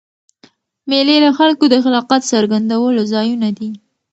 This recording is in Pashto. مېلې د خلکو د خلاقیت څرګندولو ځایونه دي.